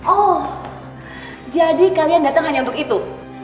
oh jadi kalian datang hanya untuk itu